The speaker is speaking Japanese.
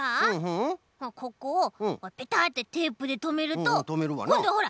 ここをペタッてテープでとめるとこんどはほら！